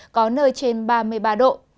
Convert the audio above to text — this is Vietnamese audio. có nơi trên ba mươi ba độ